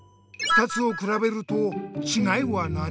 ２つをくらべるとちがいは何？